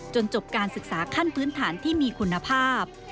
จบการศึกษาขั้นพื้นฐานที่มีคุณภาพ